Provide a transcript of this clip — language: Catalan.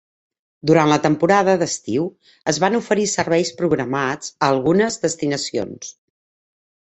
Durant la temporada d'estiu es van oferir serveis programats a algunes destinacions.